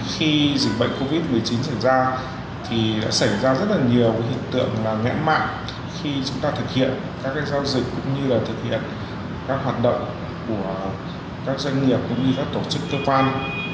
khi dịch bệnh covid một mươi chín xảy ra thì đã xảy ra rất là nhiều hiện tượng ngẽn mạng khi chúng ta thực hiện các giao dịch cũng như là thực hiện các hoạt động của các doanh nghiệp cũng như các tổ chức cơ quan